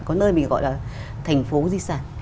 có nơi mình gọi là thành phố di sản